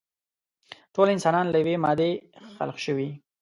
ټول انسانان له يوې مادې خلق شوي.